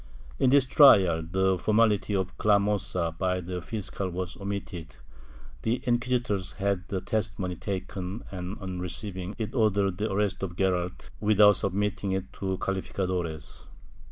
In this trial the formality of a clamosa by the fiscal was omitted ; the inquisitors had the testimony taken and on receiving it ordered the arrest of Gueralt without submitting it to calificadores.